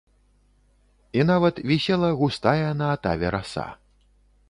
І нават вісела густая на атаве раса.